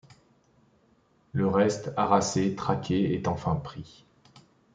Le reste harassé, traqué, est enfin pris.